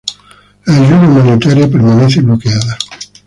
La ayuda humanitaria permanece bloqueada.